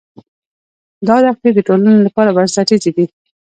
دا دښتې د ټولنې لپاره بنسټیزې دي.